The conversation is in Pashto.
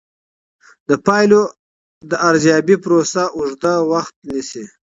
د پایلو د ارزیابۍ پروسه اوږده وخت نیسي.